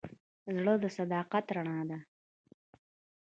زړه د صداقت رڼا ده.